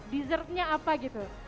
dessertnya apa gitu